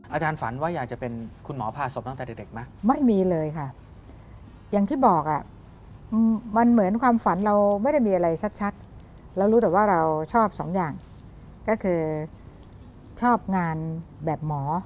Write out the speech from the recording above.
อาจารย์ฝันว่าอยากจะเป็นคุณหมอผ่าศพตั้งแต่เด็กไหมไม่มีเลยค่ะอย่างที่บอกอ่ะมันเหมือนความฝันเราไม่ได้มีอะไรชัดเรารู้แต่ว่าเราชอบสองอย่างก็คือชอบงานแบบหมอ